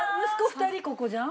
２人ここじゃん。